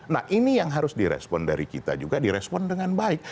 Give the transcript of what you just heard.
nah ini yang harus direspon dari kita juga direspon dengan baik